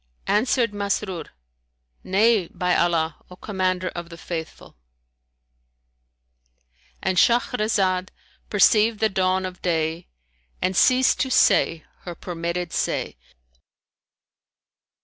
Answered Masrur, "Nay, by Allah, O Commander of the Faithful,"—And Shahrazad perceived the dawn of day and ceased to say her permitted say.